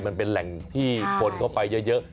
มันเป็นแหล่งที่คนเข้าไปเยอะ